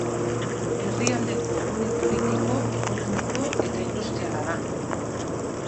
Herrialdeko gune politiko, ekonomiko eta industriala da.